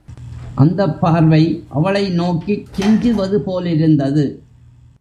அந்தப் பார்வை அவளை நோக்கிக் கெஞ்சுவது போலிருந்தது.